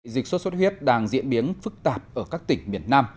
dịch sốt xuất huyết đang diễn biến phức tạp ở các tỉnh miền nam